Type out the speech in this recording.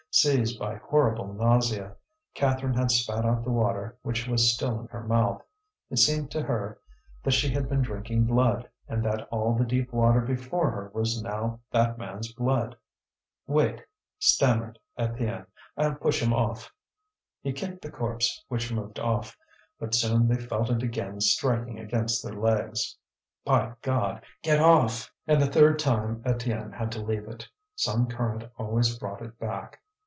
Seized by horrible nausea, Catherine had spat out the water which was still in her mouth. It seemed to her that she had been drinking blood, and that all the deep water before her was now that man's blood. "Wait!" stammered Étienne. "I'll push him off!" He kicked the corpse, which moved off. But soon they felt it again striking against their legs. "By God! Get off!" And the third time Étienne had to leave it. Some current always brought it back.